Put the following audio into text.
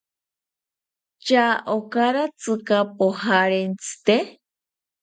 ¿Tya okatsika pojarentsite?